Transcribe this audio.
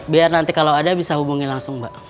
biar nanti kalau ada bisa hubungi langsung mbak